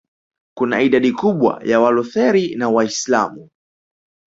kuna idadi kubwa ya Walutheri na Waislamu